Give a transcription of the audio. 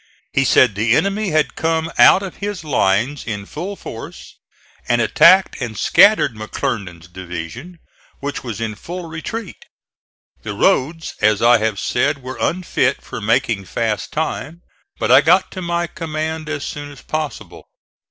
He said the enemy had come out of his lines in full force and attacked and scattered McClernand's division, which was in full retreat. The roads, as I have said, were unfit for making fast time, but I got to my command as soon as possible.